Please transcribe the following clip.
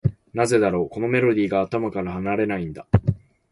なぜだろう、このメロディーが頭から離れないんだ。